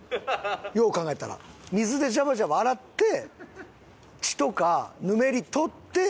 よう考えたら水でジャバジャバ洗って血とかぬめり取って。